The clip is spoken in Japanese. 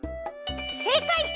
せいかい！